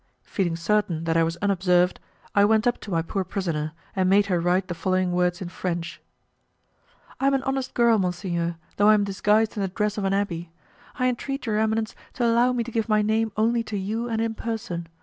Feeling certain that I was unobserved, I went up to my poor prisoner and made her write the following words in French: "I am an honest girl, monsignor, though I am disguised in the dress of an abbé. I entreat your eminence to allow me to give my name only to you and in person.